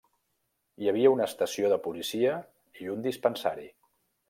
Hi havia una estació de policia i un dispensari.